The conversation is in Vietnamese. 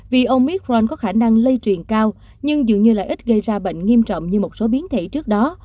vì ôngic ron có khả năng lây truyền cao nhưng dường như lại ít gây ra bệnh nghiêm trọng như một số biến thể trước đó